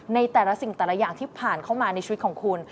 ในแต่ละสิ่งแต่ละอย่างที่ผ่านเข้ามาในชีวิตของคุณ